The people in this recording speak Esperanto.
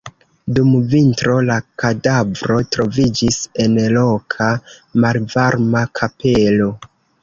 Dum vintro la kadavro troviĝis en loka malvarma kapelo.